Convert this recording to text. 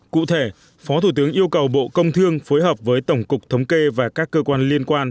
cụ thể phó thủ tướng yêu cầu bộ công thương phối hợp với tổng cục thống kê và các cơ quan liên quan